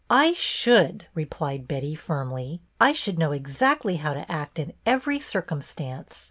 " I should," replied Betty, firmly. " I should know exactl}' how to act in every circumstance.